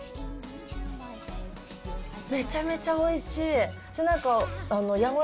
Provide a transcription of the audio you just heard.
めちゃめちゃおいしい。